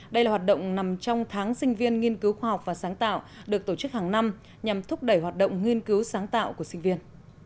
đây là hoạt động nằm trong tháng sinh viên nghiên cứu khoa học và sáng tạo được tổ chức hàng năm nhằm thúc đẩy hoạt động nghiên cứu sáng tạo của sinh viên